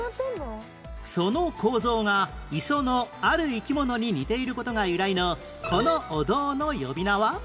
その構造が磯のある生き物に似ている事が由来のこのお堂の呼び名は？